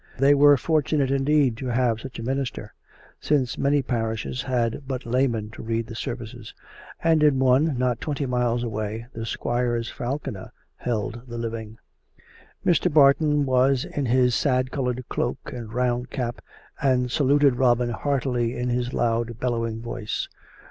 (They were fortunate, indeed, to have such a minister; since many parishes had but laymen to read the services; and in one, not twenty miles away, the squire's falconer held the living.) Mr. Barton was in his sad coloured cloak and round cap, and saluted Robin heartily in his loud, bellowing voice.